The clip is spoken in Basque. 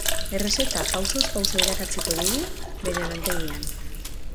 Errezeta pausoz pauso irakatsiko digu, bere lantegian.